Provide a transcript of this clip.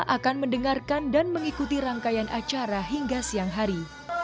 akan mendengarkan dan mengikuti rangkaian acara hingga siang hari